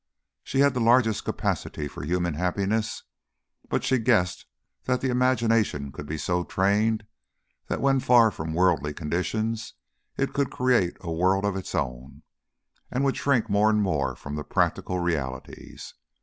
She had the largest capacity for human happiness, but she guessed that the imagination could be so trained that when far from worldly conditions it could create a world of its own, and would shrink more and more from the practical realities.